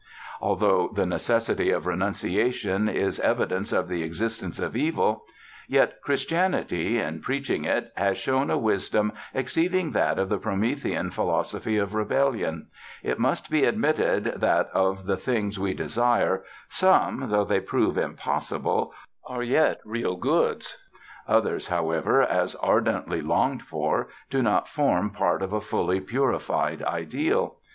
Although the necessity of renunciation is evidence of the existence of evil, yet Christianity, in preaching it, has shown a wisdom exceeding that of the Promethean philosophy of rebellion. It must be admitted that, of the things we desire, some, though they prove impossible, are yet real goods; others, however, as ardently longed for, do not form part of a fully purified ideal.